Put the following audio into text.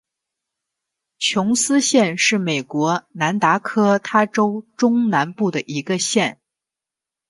琼斯县是美国南达科他州中南部的一个县。